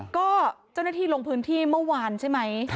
ก็เจ้าหน้าที่ลงพื้นที่เมื่อวานใช่ไหม